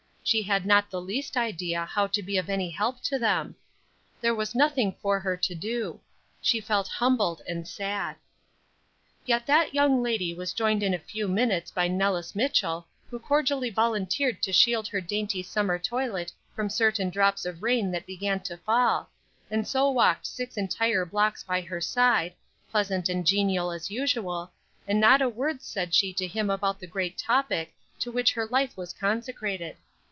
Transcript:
She had not the least idea how to be of any help to them. There was nothing for her to do. She felt humbled and sad. Yet that young lady was joined in a few minutes by Nellis Mitchell, who cordially volunteered to shield her dainty summer toilet from certain drops of rain that began to fall, and so walked six entire blocks by her side, pleasant and genial as usual, and not a word said she to him about the great topic to which her life was consecrated.